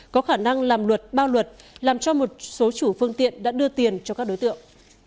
có khả năng làm luật bao luật làm cho một số chủ phương tiện đã đưa tiền cho các đối tượng